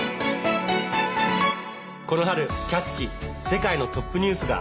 この春「キャッチ！世界のトップニュース」が。